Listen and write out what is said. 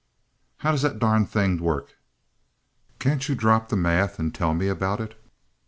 "How does that darned thing work? Can't you drop the math and tell me about it?"